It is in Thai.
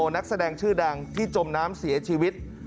นักแสดงชื่อดังที่จมน้ำเสียชีวิต